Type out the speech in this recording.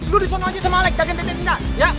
lo disana aja sama alec dagang tanda tanda ya